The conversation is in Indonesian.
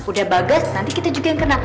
udah bagas nanti kita juga yang kena